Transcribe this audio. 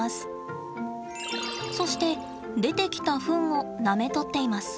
そして出てきたフンをなめとっています。